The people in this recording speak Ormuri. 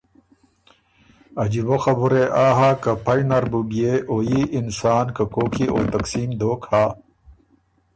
عجیبۀ خبُره يې آ هۀ که پئ نر بُو بيې او يي انسان که کوک يې او تقسیم دوک هۀ